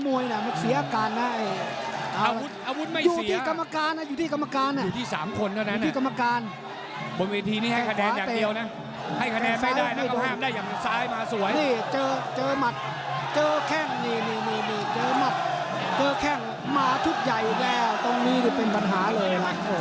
โอ้โหแล้วตรงนี้ก็เป็นปัญหาเลย